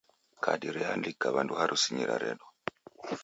Kadi realika w'andu harusinyi raredwa